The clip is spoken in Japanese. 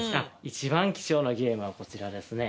一番貴重なゲームはこちらですね。